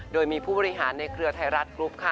โดยมีผู้บริหารในเครือไทยรัฐกรุ๊ปค่ะ